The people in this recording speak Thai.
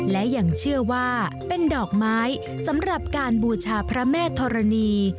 และยังเชื่อว่าเป็นดอกไม้สำหรับการบูชาพระแม่ธรณี